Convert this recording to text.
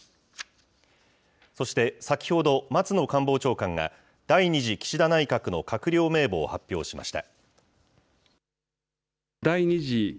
そして、先ほど松野官房長官が、第２次岸田内閣の閣僚名簿を発表しました。